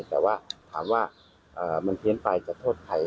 แต่ว่าถามว่ามันเพี้ยนไปจะโทษใคร